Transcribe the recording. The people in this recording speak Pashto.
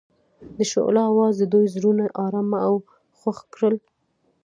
د شعله اواز د دوی زړونه ارامه او خوښ کړل.